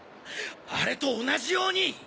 「あれ」と同じように！